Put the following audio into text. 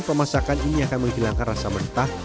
pemasakan ini akan menghilangkan rasa mentah